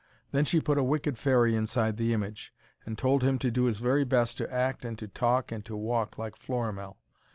Then she put a wicked fairy inside the image, and told him to do his very best to act and to talk and to walk like Florimell.